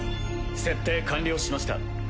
設定完了しました。